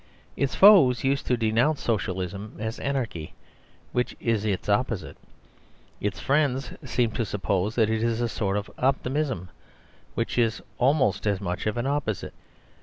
Its foes used to denounce Socialism as Anarchy, which is its opposite. Its friends seemed to suppose that it is a sort of optimism, which is almost as much of an opposite.